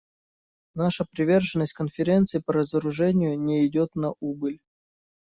Наша приверженность Конференции по разоружению не идет на убыль.